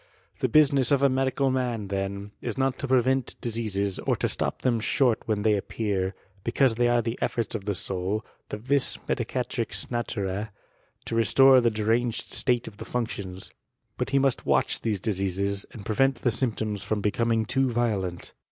The business of a medical man, then, is aot to prevent diseases, or to stop them short when they; appear ; because they are the efforts of the soul, thq vit medicatrix natur/E, to restore the deranged state <^ the functions : but he must watch these diseases, and prevent the symptoms from becoming too violent.